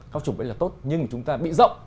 các chủng ấy là tốt nhưng chúng ta bị rộng